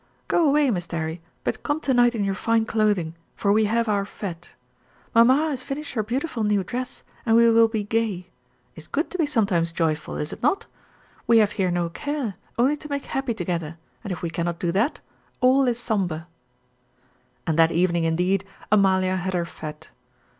Go away, Mr. 'Arry, but come to night in your fine clothing, for we have our fête. Mamma has finish her beautiful new dress, and we will be gay. Is good to be sometimes joyful, is not? We have here no care, only to make happy together, and if we cannot do that, all is somber." And that evening indeed, Amalia had her "fête."